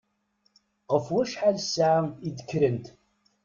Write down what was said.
Ɣef wacḥal ssaɛa i d-kkrent?